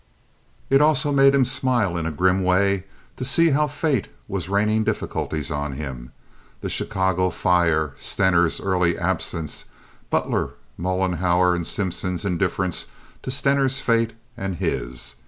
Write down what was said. It also made him smile, in a grim way, to see how fate was raining difficulties on him. The Chicago fire, Stener's early absence, Butler, Mollenhauer, and Simpson's indifference to Stener's fate and his.